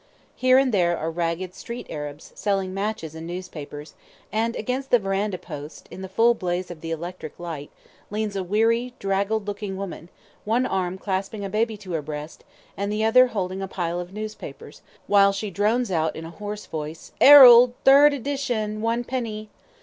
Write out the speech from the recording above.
Here and there are ragged street Arabs, selling matches and newspapers; and against the verandah post, in the full blaze of the electric light, leans a weary, draggled looking woman, one arm clasping a baby to her breast, and the other holding a pile of newspapers, while she drones out in a hoarse voice, "'ERALD, third 'dition, one penny!"